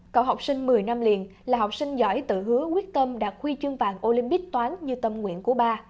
còn học sinh một mươi năm liền là học sinh giỏi tự hứa quyết tâm đạt huy chương vàng olympic toán như tâm nguyện của ba